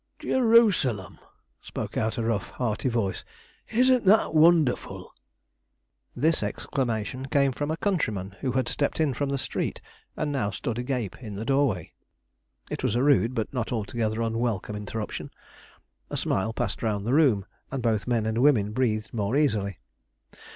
"Jerusalem!" spoke out a rough, hearty voice, "isn't that wonderful!" This exclamation came from a countryman who had stepped in from the street, and now stood agape in the doorway. It was a rude but not altogether unwelcome interruption. A smile passed round the room, and both men and women breathed more easily.